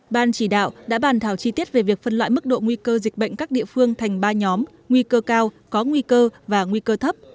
ban chỉ đạo đã bàn thảo chi tiết về việc phân loại mức độ nguy cơ dịch bệnh các địa phương thành ba nhóm nguy cơ cao có nguy cơ và nguy cơ thấp